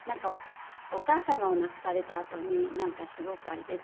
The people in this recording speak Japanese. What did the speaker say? お母様を亡くされたあとになんかすごくあれで旅で。